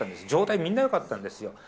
状態、みんなよかったんですよ。